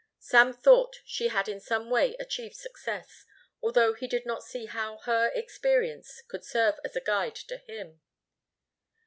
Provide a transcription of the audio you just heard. Sam thought she had in some way achieved success, although he did not see how her experience could serve as a guide to him.